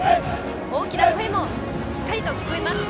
大きな声もしっかりと聞こえます。